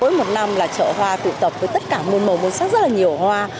mỗi một năm là chợ hoa tụ tập với tất cả môn màu môn sắc rất là nhiều hoa